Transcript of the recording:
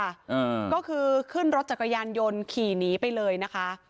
อ่าก็คือขึ้นรถจักรยานยนต์ขี่หนีไปเลยนะคะ